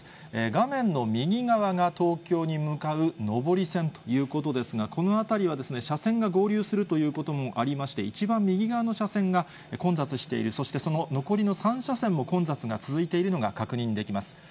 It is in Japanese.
画面の右側が東京に向かう上り線ということですが、この辺りは車線が合流するということもありまして、一番右側の車線が混雑している、そして残りの３車線も混雑が続いているのが確認できます。